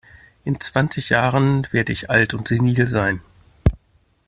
In zwanzig Jahren werde ich alt und senil sein.